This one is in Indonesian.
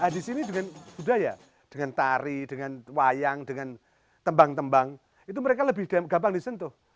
di sini dengan budaya dengan tari dengan wayang dengan tembang tembang itu mereka lebih gampang disentuh